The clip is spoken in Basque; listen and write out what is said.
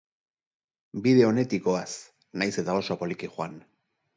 Bide onetik goaz, nahiz eta oso poliki joan.